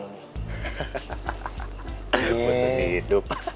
udah bosan di hidup